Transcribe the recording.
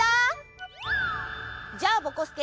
じゃあぼこすけ